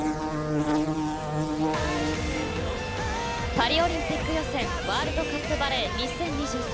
パリオリンピック予選ワールドカップバレー２０２３